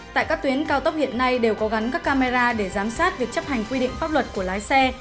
tại các tuyến cao tốc hiện nay đều có gắn các camera để giám sát việc chấp hành quy định pháp luật của lái xe